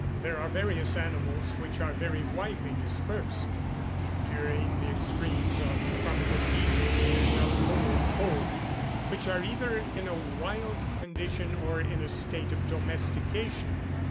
There are various animals which are very widely dispersed, enduring the extremes of tropical heat and of polar cold, which are either in a wild condition or in a state of domestication.